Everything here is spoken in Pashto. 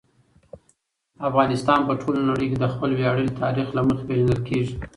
افغانستان په ټوله نړۍ کې د خپل ویاړلي تاریخ له مخې پېژندل کېږي.